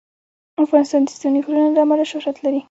افغانستان د ستوني غرونه له امله شهرت لري.